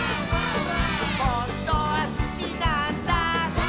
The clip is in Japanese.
「ほんとはすきなんだ」